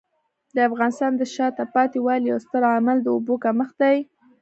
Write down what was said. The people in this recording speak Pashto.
د افغانستان د شاته پاتې والي یو ستر عامل د اوبو کمښت دی.